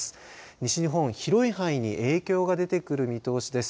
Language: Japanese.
西日本、広い範囲に影響が出てくる見通しです。